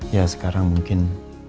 ya sekarang mungkin